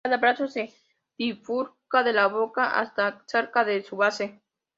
Cada brazo se bifurca de la boca hasta cerca de su base.